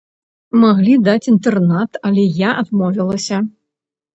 Маглі даць інтэрнат, але я адмовілася.